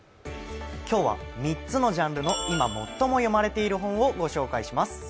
今日は３つのジャンルの今、最も読まれている本をご紹介します。